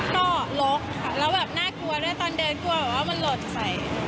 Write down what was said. เพราะมันห้อยลงมา